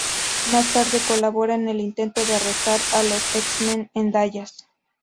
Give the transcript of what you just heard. Más tarde colabora en el intento de arrestar a los X-Men en Dallas.